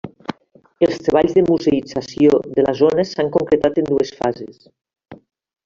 Els treballs de museïtzació de la zona s'han concretat en dues fases.